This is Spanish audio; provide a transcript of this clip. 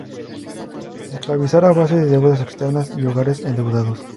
esclavizar a base de deudas externas y hogares endeudados.